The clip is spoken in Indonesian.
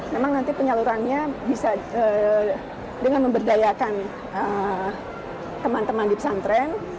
memang nanti penyalurannya bisa dengan memberdayakan teman teman di pesantren